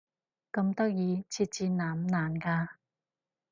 咁得意？設置難唔難㗎？